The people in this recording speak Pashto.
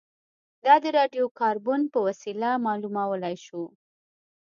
دا د راډیو کاربن په وسیله معلومولای شو